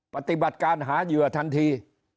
ปฏิบัติการหาเหยื่อทันที